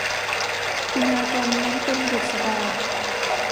อุณากรรณนั้นเป็นบุษบา